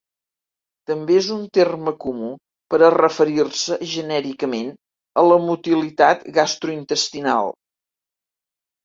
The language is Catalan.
També és un terme comú per a referir-se genèricament a la motilitat gastrointestinal.